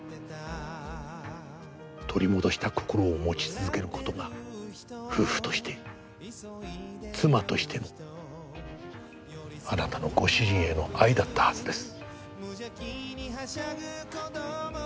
取り戻した心を持ち続ける事が夫婦として妻としてのあなたのご主人への愛だったはずです。